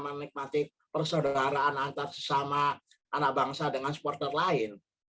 menikmati persaudaraan antar sesama anak bangsa dengan supporter lain